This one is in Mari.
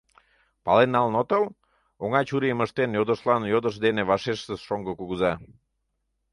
— Пален налын отыл? — оҥай чурийым ыштен, йодышлан йодыш дене вашештыш шоҥго кугыза.